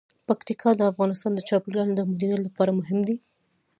پکتیکا د افغانستان د چاپیریال د مدیریت لپاره مهم دي.